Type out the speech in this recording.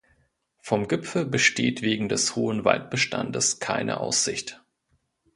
Vom Gipfel besteht wegen des hohen Waldbestandes keine Aussicht.